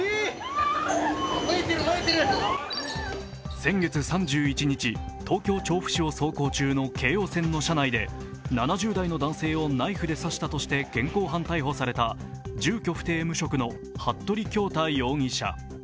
先月３１日、東京・調布市を走行中の京王線の車内で７０代の男性をナイフで刺したとして現行犯逮捕された住居不定無職の服部恭太容疑者。